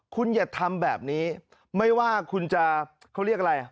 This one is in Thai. คุณอย่าทำแบบนี้ไม่ว่าคุณจะเขาเรียกอะไร